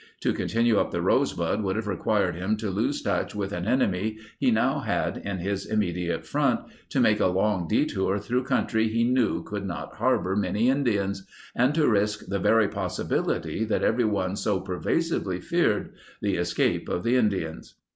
To continue up the Rosebud would have required him to lose touch with an enemy he now had in his immediate front, to make a long detour through country he knew could not harbor many Indians, and to risk the very possibility that everyone so pervasively feared— the escape of the Indians.